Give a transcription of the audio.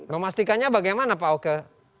memastikannya bagaimana pak oke